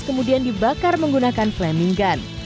kemudian dibakar menggunakan flamming gun